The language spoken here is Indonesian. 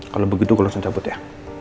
kalo begitu gue langsung cabut ya